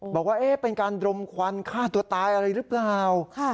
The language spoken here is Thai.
บอกว่าเป็นการดมควันฆ่าตัวตายอะไรหรือเปล่า